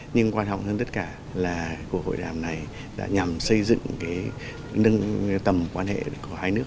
nhưng quan trọng hơn tất cả là cuộc hội đàm này đã nhằm xây dựng nâng tầm quan hệ của hai nước